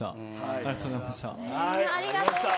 ありがとうございます。